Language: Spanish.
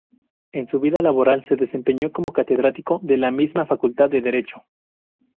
En su vida laboral, se desempeñó como catedrático de la misma facultad de derecho.